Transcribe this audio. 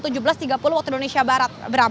pukul tujuh belas tiga puluh waktu indonesia barat